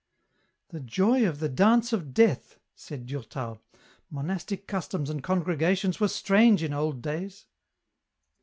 " The joy of the Dance of Death," said Durtal, " monastic customs and congregations were strange in old days."